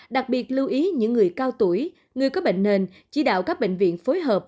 đặc biệt lưu ý những người cao tuổi người có bệnh nền chỉ đạo các bệnh viện phối hợp